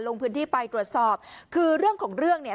ลงพื้นที่ไปตรวจสอบคือเรื่องของเรื่องเนี่ย